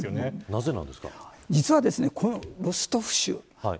実はロストフ州